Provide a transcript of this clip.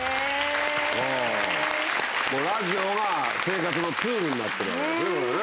もうラジオが生活のツールになってるわけですね、これね。